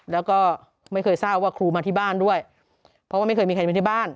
แล้วก็ไม่เคยทราบว่าครูมาที่บ้านด้วยเพราะว่าไม่เคยมีใครมาที่บ้าน